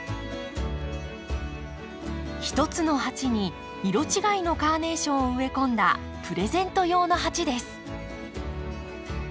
一つの鉢に色違いのカーネーションを植え込んだプレゼント用の鉢です。